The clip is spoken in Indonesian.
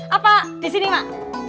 apa di sini mak